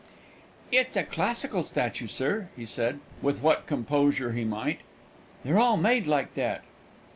"It's a classical statue, sir," he said, with what composure he might; "they're all made like that."